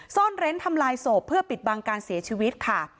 ซ่อนเร้นทำลายศพเพื่อปิดบังการเสียชีวิตค่ะ